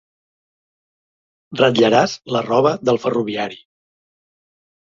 Ratllaràs la roba del ferroviari.